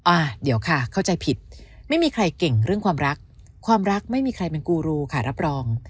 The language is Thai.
อ่ะเดี๋ยวค่ะเข้าใจผิดไม่มีใครเก่งเรื่องความรักความรักไม่มีใครเป็นกูรูค่ะรับรอง